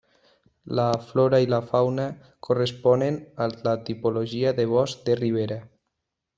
La flora i la fauna corresponen a la tipologia de bosc de ribera.